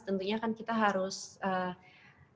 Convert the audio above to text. tentunya kan kita harus